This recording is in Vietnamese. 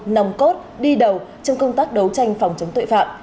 nòng cốt đi đầu trong công tác đấu tranh phòng chống tội phạm